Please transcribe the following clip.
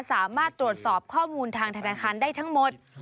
สามารถตรวจสอบข้อมูลทางธนาคารได้ทั้งหมด